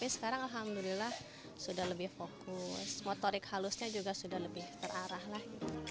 sekarang alhamdulillah sudah lebih fokus motorik halusnya juga sudah lebih terarah lah